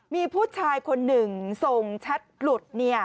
มีผู้ชายคนหนึ่งส่งชัดหลุดนี่